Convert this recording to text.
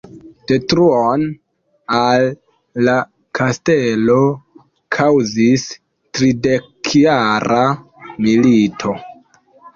Detruon al la kastelo kaŭzis tridekjara milito.